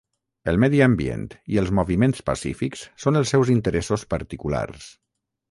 El medi ambient i els moviments pacífics són els seus interessos particulars.